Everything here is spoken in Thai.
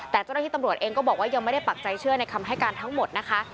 แต่เจ้าหน้าที่ตำรวจเองก็บอกว่ายังไม่ได้ปักใจเชื่อในคำให้การทั้งหมดนะคะ